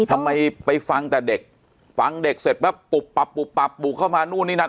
ทำไมไปฟังแต่เด็กฟังเด็กเสร็จปั๊บปุ๊บปับปุ๊บปับบุกเข้ามานู่นนี่นั่น